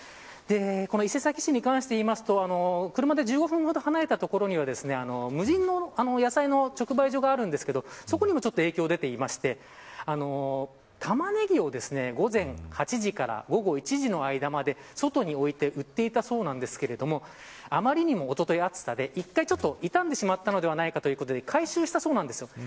この伊勢崎市に関していうと車で１５分ほど離れた所には無人の野菜の直売所があるんですがそこにもちょっと影響が出ていまして玉ねぎを午前８時から午後１時の間まで外に置いて売っていたそうなんですがあまりにも、おとといの暑さで１回、傷んでしまったのではないかということで回収したそうです。